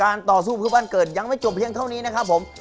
ต่อสู้เพื่อบ้านเกิดยังไม่จบเพียงเท่านี้นะครับผม